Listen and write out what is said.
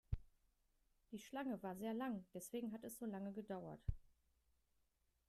Die Schlange war sehr lang, deswegen hat es so lange gedauert.